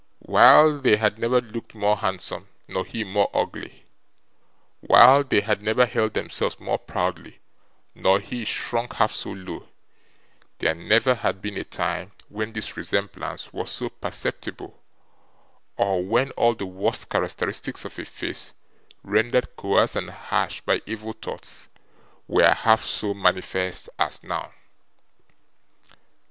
While they had never looked more handsome, nor he more ugly; while they had never held themselves more proudly, nor he shrunk half so low; there never had been a time when this resemblance was so perceptible, or when all the worst characteristics of a face rendered coarse and harsh by evil thoughts were half so manifest as now.